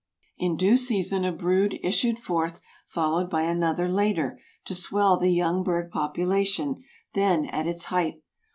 In due season a brood issued forth, followed by another later, to swell the young bird population, then at its height.